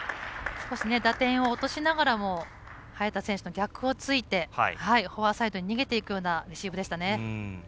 打点を落としながらも早田選手の逆をついてフォアサイドに逃げていくようなレシーブでしたね。